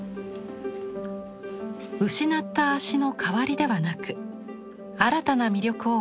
失った足の代わりではなく新たな魅力を持った「足」。